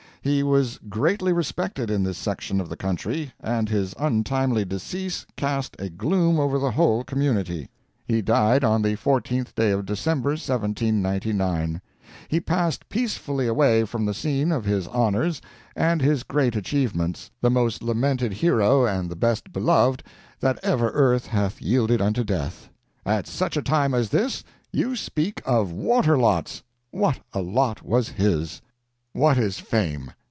He was greatly respected in this section of the country, and his untimely decease cast a gloom over the whole community. He died on the 14th day of December, 1799. He passed peacefully away from the scene of his honors and his great achievements, the most lamented hero and the best beloved that ever earth hath yielded unto Death. At such a time as this, you speak of water lots! what a lot was his! 'What is fame!